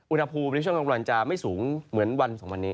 อุณหภูมิในช่วงกลางวันจะไม่สูงเหมือนวันสองวันนี้